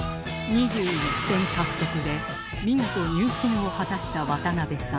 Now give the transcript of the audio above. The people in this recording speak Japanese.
２１点獲得で見事入選を果たした渡辺さん